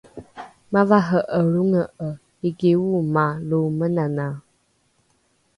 mavare’e lronge’e iki ooma lo menanae